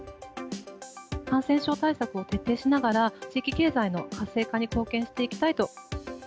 感染症対策を徹底しながら、地域経済の活性化に貢献していきたいと。